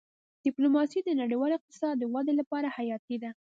ډيپلوماسي د نړیوال اقتصاد د ودې لپاره حیاتي ده.